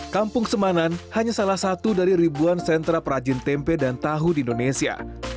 kampung semanan hanya salah satu dari ribuan sentra perajin tempe dan tahu di indonesia